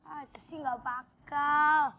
aduh sih gak bakal